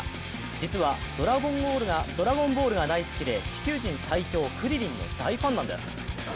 実は「ドラゴンボール」が大好きで地球人最強、クリリンの大ファンなんです。